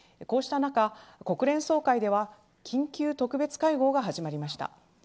こうした中、国連総会では緊急特別会合が始まりました。